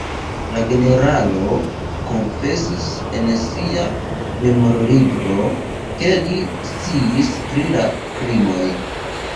La generalo konfesis en sia memorlibro, ke li sciis pri la krimoj.